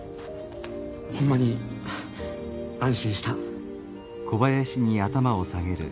ホンマに安心した。